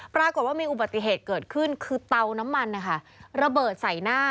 ปรากฏว่ามีอุบัติเหตุเกิดขึ้นคือเตาน้ำมันนะคะระเบิดใส่หน้า